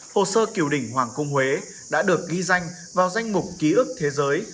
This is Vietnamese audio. hồ sơ kiểu đỉnh hoàng cung huế đã được ghi danh vào danh mục ký ức thế giới